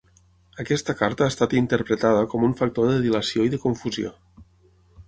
Aquesta carta ha estat interpretada com un factor de dilació i de confusió.